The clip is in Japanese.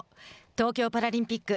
東京パラリンピック